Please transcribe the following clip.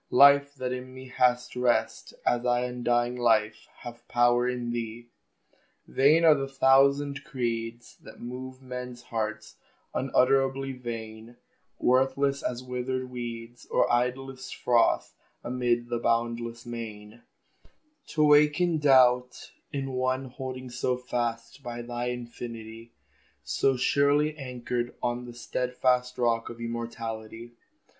Life that in me has rest, As I undying Life have power in thee! Vain are the thousand creeds That move men's hearts: unutterably vain; Worthless as withered weeds, Or idlest froth amid the boundless main, To waken doubt in one Holding so fast by thine infinity; So surely anchored on The stedfast rock of immortality.